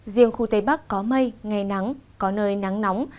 riêng khu tây bắc có mây ngày nắng có nơi nắng nóng